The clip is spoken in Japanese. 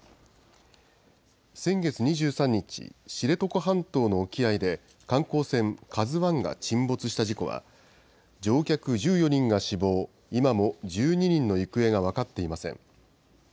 先月２３日、知床半島の沖合で観光船ＫＡＺＵＩが沈没した事故は、乗客１４人が死亡、今も１２人の行方が分かっていません。